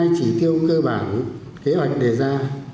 một mươi hai chỉ tiêu cơ bản kế hoạch đề ra